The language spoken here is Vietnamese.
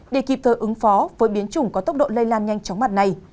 để kịp thời ứng phó với biến chủng có tốc độ lây lan nhanh chóng mặt này